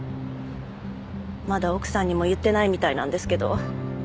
まだ奥さんにも言ってないみたいなんですけど。